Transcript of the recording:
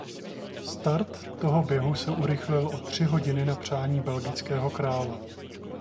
Start toho běhu se urychlil o tři hodiny na přání belgického krále.